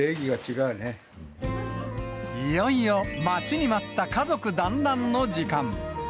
いよいよ待ちに待った家族団らんの時間。